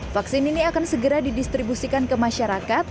vaksin ini akan segera didistribusikan ke masyarakat